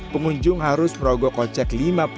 pengunjung harus merogoh kocek